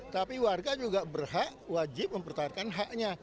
tapi warga juga berhak wajib mempertahankan haknya